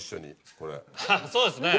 そうですね。